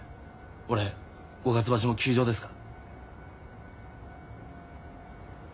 俺五月場所も休場ですか？